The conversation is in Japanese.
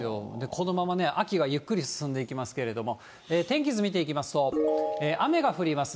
このままね、秋がゆっくり進んでいきますけども、天気図見ていきますと、雨が降ります。